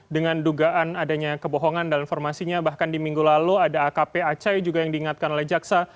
dengan dugaan adanya kebohongan dalam formasinya bahkan di minggu lalu ada akp acai juga yang diingatkan oleh jaksa